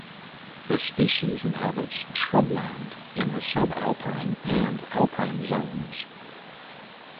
This species inhabits shrubland in the subalpine and alpine zones.